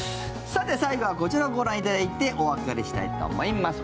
さて、最後はこちらをご覧いただいてお別れしたいと思います。